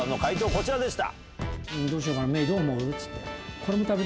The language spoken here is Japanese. こちらでした。